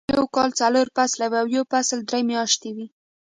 يو کال څلور فصله وي او يو فصل درې میاشتې وي.